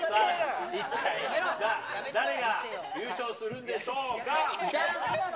一体誰が優勝するんでしょうじゃん。